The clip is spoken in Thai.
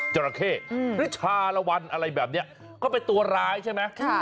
จราเข้หรือชาละวันอะไรแบบนี้ก็เป็นตัวร้ายใช่ไหม